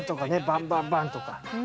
バンバンバンとか。